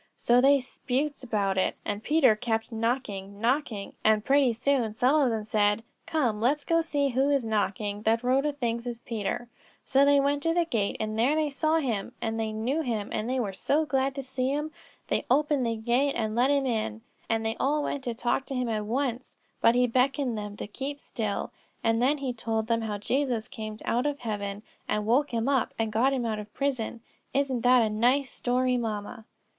So they 'sputes about it and Peter kept knocking, knocking, and pretty soon some of them said: 'Come, let's go see who is knocking, that Rhoda thinks is Peter;' so they went to the gate and there they saw him, and they knew him and they were so glad to see him; they opened the gate and let him in, and they all wanted to talk to him at once, but he beckoned to them to keep still, and then he told them how Jesus came down out of heaven and woke him up, and got him out of prison. Isn't that a nice story, mamma?"